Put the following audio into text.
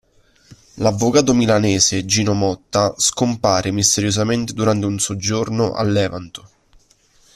L'avvocato milanese Gino Motta scompare misteriosamente durante un soggiorno a Levanto.